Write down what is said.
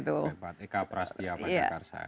p empat eka prastia pancakarsa